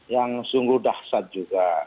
yang sungguh dahsat juga